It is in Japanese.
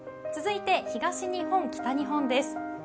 続いて、東日本、北日本です。